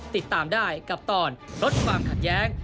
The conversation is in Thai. ติดตามได้กับตอนลดความขัดแย้ง